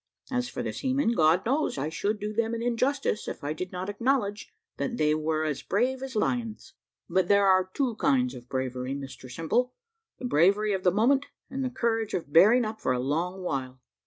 As for the seamen, God knows, I should do them an injustice if I did not acknowledge that they were as brave as lions. But there are two kinds of bravery, Mr Simple the bravery of the moment, and the courage of bearing up for a long while.